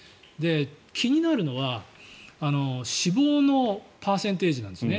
気になるのは死亡のパーセンテージなんですね。